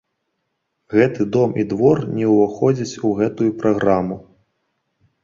Гэты дом і двор не ўваходзяць у гэтую праграму.